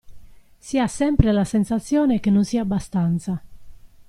Si ha sempre la sensazione che non sia abbastanza.